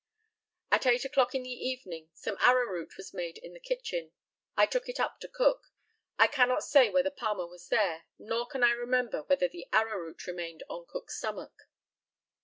At eight o'clock in the evening some arrowroot was made in the kitchen. I took it up to Cook. I cannot say whether Palmer was there, nor can I remember whether the arrowroot remained on Cook's stomach.